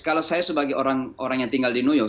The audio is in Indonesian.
kalau saya sebagai orang yang tinggal di new york